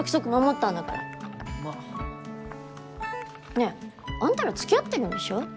ねぇあんたら付き合ってるんでしょ？